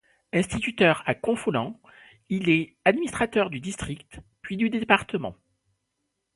Instituteur à Confolens, il est administrateur du district, puis du département.